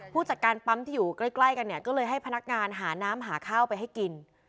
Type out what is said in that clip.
ผู้จัดการปั๊มที่อยู่ใกล้กันเนี่ยก็เลยให้พนักงานหาน้ำหาข้าวไปให้กิน